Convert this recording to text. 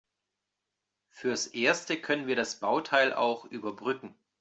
Fürs Erste können wir das Bauteil auch überbrücken.